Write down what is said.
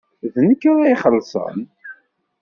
D nekk ara ixellṣen.